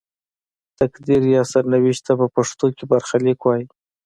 تقدیر یا سرنوشت ته په پښتو کې برخلیک وايي.